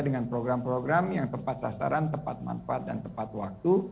dengan program program yang tepat sasaran tepat manfaat dan tepat waktu